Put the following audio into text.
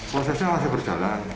prosesnya masih berjalan